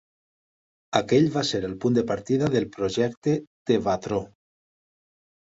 Aquell va ser el punt de partida del projecte Tevatró.